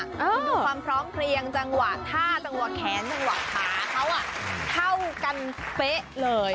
ดูความพร้อมเพลียงจังหวะท่าจังหวะแขนจังหวะขาเขาเข้ากันเป๊ะเลย